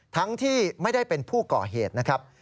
ทั้งที่ไม่ได้เป็นผู้ก่อเหตุนะครับ